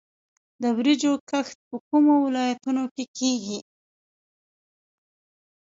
د وریجو کښت په کومو ولایتونو کې کیږي؟